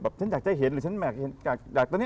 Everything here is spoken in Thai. แบบฉันอยากจะเห็นหรือฉันไม่อยากจะเห็น